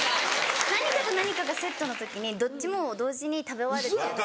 何かと何かがセットの時にどっちも同時に食べ終わるっていうのが。